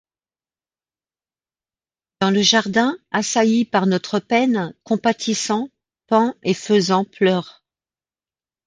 Dans le jardin, assaillis par notre peine, compatissants, paon et faisan pleurent.